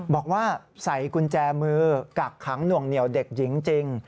บอกว่าใส่กุญแจมือกักขังหน่วงเหนียวเด็กหญิงจริง